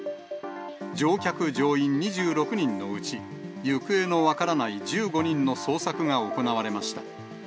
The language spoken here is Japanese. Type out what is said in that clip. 乗客・乗員２６人のうち、行方の分からない１５人の捜索が行われました。